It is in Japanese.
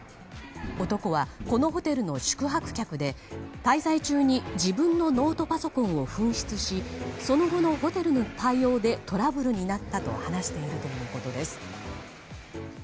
男は、このホテルの宿泊客で滞在中に自分のノートパソコンを紛失しその後のホテルの対応でトラブルになったと話しているということです。